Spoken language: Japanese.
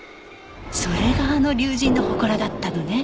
それがあの竜神の祠だったのね。